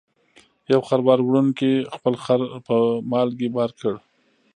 یو خروار وړونکي خپل خر په مالګې بار کړ.